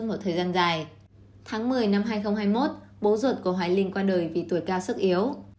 một thời gian dài tháng một mươi năm hai nghìn hai mươi một bố ruột của hoài linh qua đời vì tuổi cao sức yếu